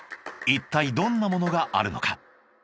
［いったいどんなものがあるのか？］